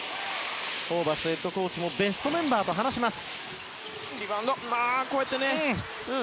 ホーバスヘッドコーチもベストメンバーと話します。